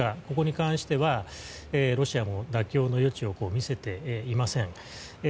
ここに関してはロシアも妥協の余地を見せていません。